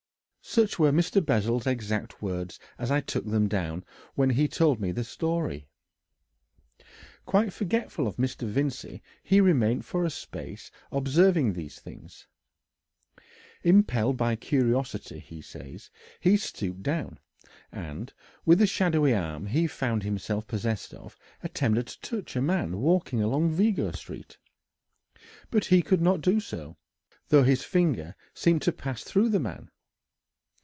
Such were Mr. Bessel's exact words as I took them down when he told me the story. Quite forgetful of Mr. Vincey, he remained for a space observing these things. Impelled by curiosity, he says, he stooped down, and, with the shadowy arm he found himself possessed of, attempted to touch a man walking along Vigo Street. But he could not do so, though his finger seemed to pass through the man.